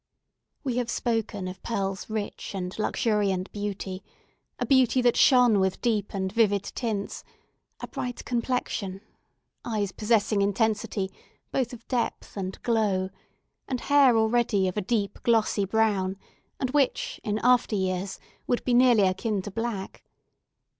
We have spoken of Pearl's rich and luxuriant beauty—a beauty that shone with deep and vivid tints, a bright complexion, eyes possessing intensity both of depth and glow, and hair already of a deep, glossy brown, and which, in after years, would be nearly akin to black.